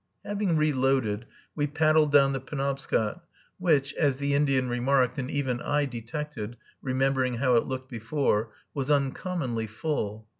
Having reloaded, we paddled down the Penobscot, which, as the Indian remarked, and even I detected, remembering how it looked before, was uncommonly full.